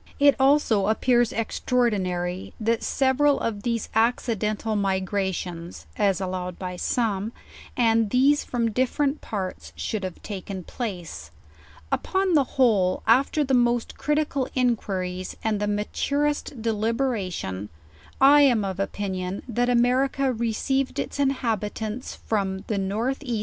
It also appears extraordinary, that several of these acci dental migrations, as allowed by some, and these from differ ent parts, should have taken place. Upon the whole, af ter the most critical inquiries, and the maturest deliberation, I am of opinion, that America received its inhabitants from the N. E.